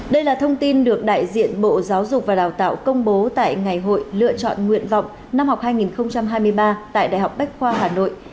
đây là thông tin được đại diện bộ giáo dục và đào tạo công bố tại ngày hội lựa chọn nguyện vọng năm học hai nghìn hai mươi ba tại đại học bách khoa hà nội